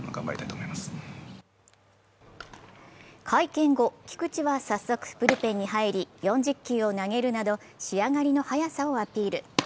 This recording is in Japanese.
会見後、菊池は早速ブルペンに入り４０球を投げるなど仕上がりの早さをアピール。